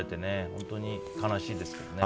本当に悲しいですよね。